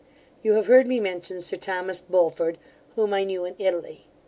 You have heard me mention Sir Thomas Bullford, whom I knew in Italy.